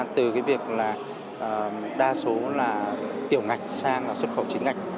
từ việc đa số tiểu ngạch sang xuất khẩu chính ngạch